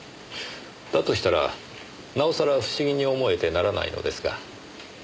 だとしたらなおさら不思議に思えてならないのですが。